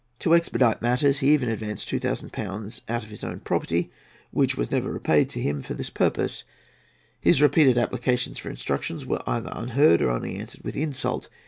To expedite matters, he even advanced 2000£ out of his own property—which was never repaid to him—for this purpose. His repeated applications for instructions were either unheeded or only answered with insult.